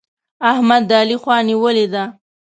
احمد د علي خوا نيولې ده.